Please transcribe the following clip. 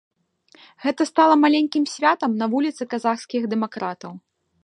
Гэта стала маленькім святам на вуліцы казахскіх дэмакратаў.